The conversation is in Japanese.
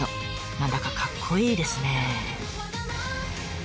何だかかっこいいですね。